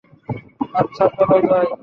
আচ্ছা, চল যাই।